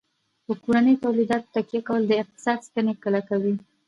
په کورنیو تولیداتو تکیه کول د اقتصاد ستنې کلکوي.